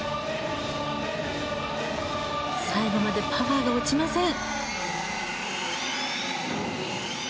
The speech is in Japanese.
最後までパワーが落ちません。